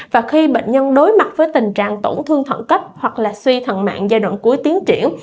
và khi bệnh nhân đối mặt với tình trạng tổn thương thận cấp hoặc là suy thận mạng giai đoạn cuối tiến triển